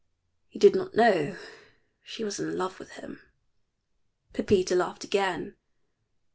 He did not know she was in love with him." Pepita laughed again.